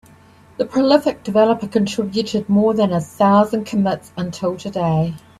The prolific developer contributed more than a thousand commits until today.